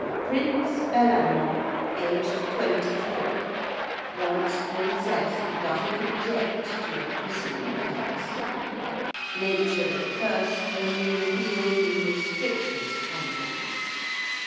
_Prince Bellamant, aged twenty four. Wants Princess who doesn't object to a christening curse. Nature of curse only revealed in the strictest confidence.